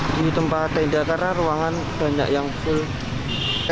di tempat tenda karena ruangan banyak yang full